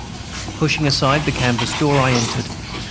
Pushing aside the canvas door, I entered.